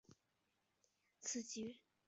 此局着重车卒运用技巧。